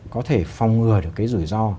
có thể phòng ngừa được cái rủi ro